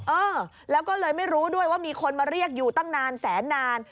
เออแล้วก็เลยไม่รู้ด้วยว่ามีคนมาเรียกอยู่ตั้งนานแสนนาน